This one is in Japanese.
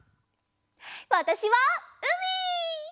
わたしはうみ！